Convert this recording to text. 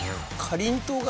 かりんとう。